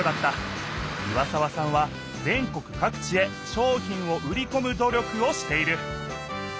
岩沢さんは全国かく地へ商品を売りこむ努力をしている。